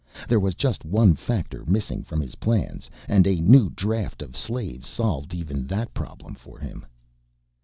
There was just one factor missing from his plans and a new draft of slaves solved even that problem for him.